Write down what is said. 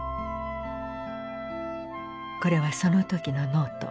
これはその時のノート。